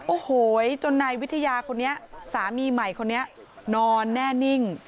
โอ้โหจนนายวิทยาคนนี้สามีใหม่คนนี้นอนแน่นิ่ง